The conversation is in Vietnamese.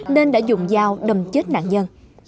nên đã dùng dao đâm chết nạn nhân